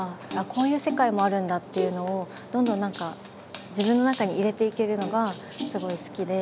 こういう世界もあるんだっていうのをどんどん何か自分の中に入れていけるのがすごい好きで。